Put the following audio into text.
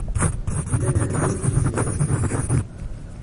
Llan rennun tifyar.